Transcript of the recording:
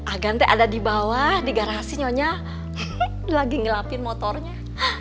aganti ada di bawah di garasi nyonya lagi ngelapin motornya